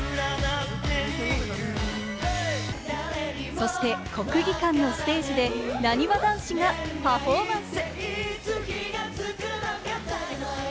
そして国技館のステージで、なにわ男子がパフォーマンス！